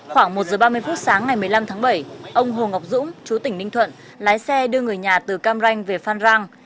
khoảng một giờ ba mươi phút sáng ngày một mươi năm tháng bảy ông hồ ngọc dũng chú tỉnh ninh thuận lái xe đưa người nhà từ cam ranh về phan rang